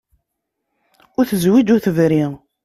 Ur tezwiǧ ur tebri.